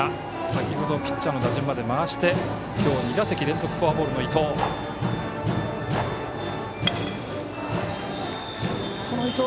先ほどピッチャーの打順から回して、今日２打席連続フォアボールの伊藤。